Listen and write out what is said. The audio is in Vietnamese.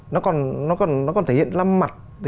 nó còn thể hiện lăm mặt